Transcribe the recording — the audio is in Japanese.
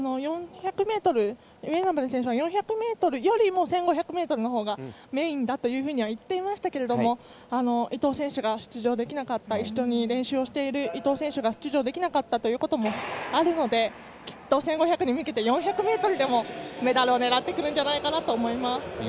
上与那原選手は４００ｍよりも１５００ｍのほうがメインだと言っていましたけれども一緒に練習していた伊藤選手が出場できなかったということもあるのできっと１５００に向けて４００ｍでもメダルを狙ってくるんじゃないかなと思います。